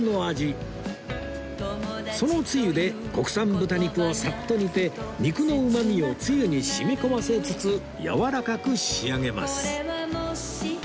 そのつゆで国産豚肉をサッと煮て肉のうま味をつゆに染み込ませつつやわらかく仕上げます